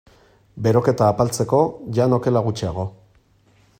Beroketa apaltzeko, jan okela gutxiago.